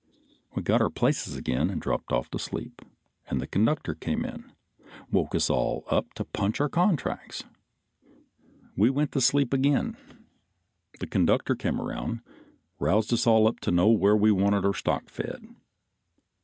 We got our places again and dropped off to sleep. The conductor came in, woke us all up to punch our contracts. We went to sleep again; the conductor came around, roused us all up to know where we wanted our stock fed.